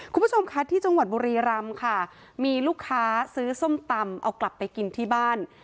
คุณผู้ชมคะที่จังหวัดบุรีรำค่ะมีลูกค้าซื้อส้มตำเอากลับไปกินที่บ้าน